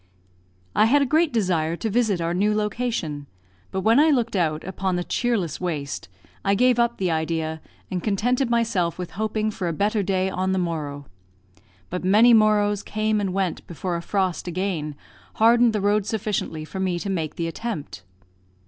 I had a great desire to visit our new location, but when I looked out upon the cheerless waste, I gave up the idea, and contented myself with hoping for a better day on the morrow; but many morrows came and went before a frost again hardened the road sufficiently for me to make the attempt.